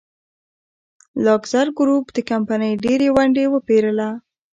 لاکزر ګروپ د کمپنۍ ډېرې ونډې وپېرله.